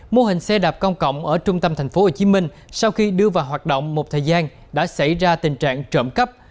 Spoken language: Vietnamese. mô hình xe đạp công cộng ở trung tâm tp hcm sau khi đưa vào hoạt động một thời gian đã xảy ra tình trạng trộm cắp